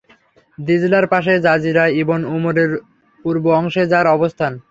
দিজলার পাশে জাযীরা ইবন উমরের পূর্ব অংশে যার অবস্থান।